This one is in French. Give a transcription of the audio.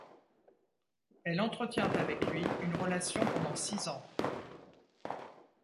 Elle entretient avec lui une relation pendant six ans.